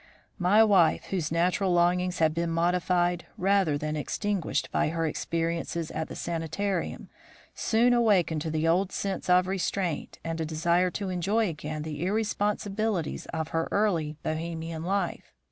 "My wife, whose natural longings had been modified rather than extinguished by her experiences at the sanitarium, soon awakened to the old sense of restraint and a desire to enjoy again the irresponsibilities of her early Bohemian life.